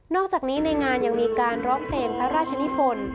อกจากนี้ในงานยังมีการร้องเพลงพระราชนิพล